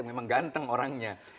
memang ganteng orangnya